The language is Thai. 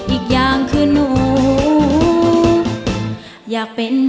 อีกอย่างคือหนูอยากเป็นแฟนอาย